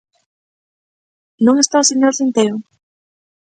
¿Non está o señor Centeo?